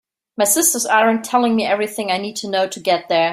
My sisters aren’t telling me everything I need to know to get there.